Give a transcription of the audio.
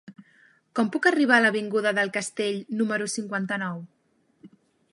Com puc arribar a l'avinguda del Castell número cinquanta-nou?